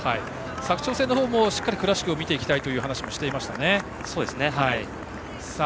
佐久長聖の方もしっかり倉敷を見ていきたいと話をしていました。